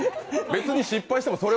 別に失敗しても。